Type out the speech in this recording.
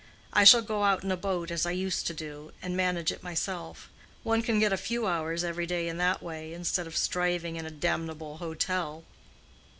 I shall go out in a boat, as I used to do, and manage it myself. One can get a few hours every day in that way instead of striving in a damnable hotel."